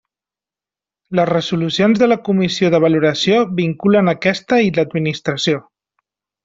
Les resolucions de la comissió de valoració vinculen aquesta i l'Administració.